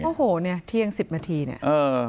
โอ้โหเนี่ยเที่ยง๑๐นาทีเนี่ย